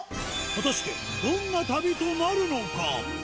果たしてどんな旅となるのか。